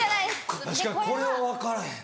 確かにこれは分からへんな。